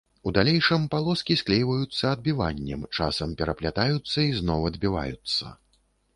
У далейшым, палоскі склейваюцца адбіваннем, часам пераплятаюцца і зноў адбіваюцца.